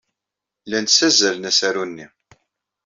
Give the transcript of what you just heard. Llan ssazzalen asaru-nni.